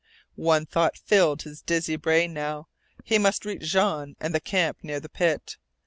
One thought filled his dizzy brain now. He must reach Jean and the camp near the pit.